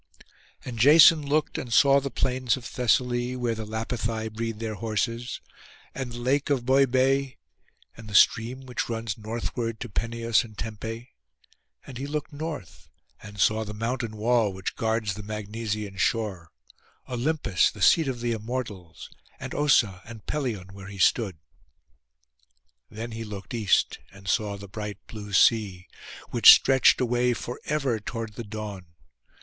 And Jason looked and saw the plains of Thessaly, where the Lapithai breed their horses; and the lake of Boibé, and the stream which runs northward to Peneus and Tempe; and he looked north, and saw the mountain wall which guards the Magnesian shore; Olympus, the seat of the Immortals, and Ossa, and Pelion, where he stood. Then he looked east and saw the bright blue sea, which stretched away for ever toward the dawn.